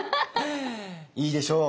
いいでしょう。